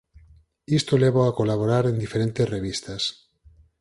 Isto lévao a colaborar en diferentes revistas.